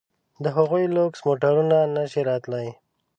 د هغوی لوکس موټرونه نه شي راتلای.